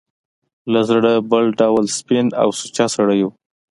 له زړه بل ډول سپین او سوچه سړی و.